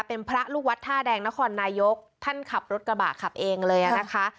เป็นพระลูกวัดท่าแดงนครนายกท่านขับรถกระบะขับเองเลยอ่ะนะคะ